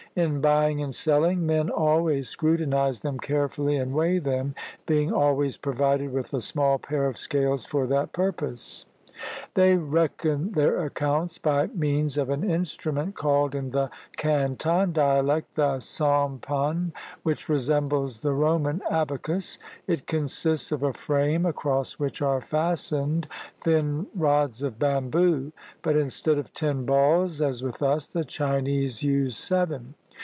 In buying and selling, men always scrutinize them carefully and weigh them, being al ways provided with a small pair of scales for that pur pose. They reckon their accounts by means of an instrument called in the Canton dialect the sun pun, which resembles the Roman abacus. It consists of a frame across which are fastened thin rods of bamboo. But instead of ten balls, as with us, the Chinese use seven.